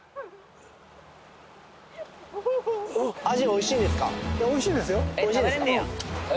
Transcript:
美味しいですか？